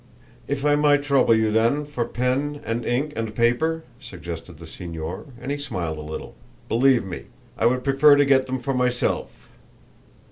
"If I might trouble you, then, for pen and ink and paper?" suggested the signor and he smiled a little. "Believe me, I would prefer to get them for myself."